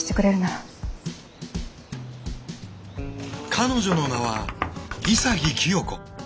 彼女の名は潔清子。